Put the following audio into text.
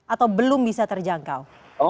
atau belum bisa terjangkau